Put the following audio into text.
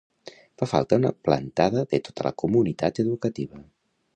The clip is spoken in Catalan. Fa falta una plantada de tota la comunitat educativa.